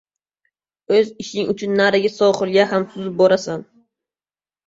• O‘z ishing uchun narigi sohilga ham suzib borasan.